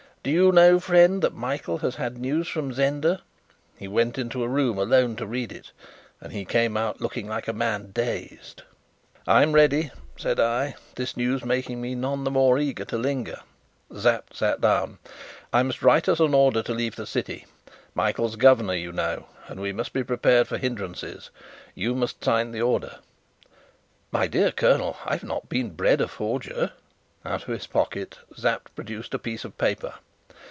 Do you know, friend, that Michael has had news from Zenda? He went into a room alone to read it and he came out looking like a man dazed." "I'm ready," said I, this news making me none the more eager to linger. Sapt sat down. "I must write us an order to leave the city. Michael's Governor, you know, and we must be prepared for hindrances. You must sign the order." "My dear colonel, I've not been bred a forger!" Out of his pocket Sapt produced a piece of paper.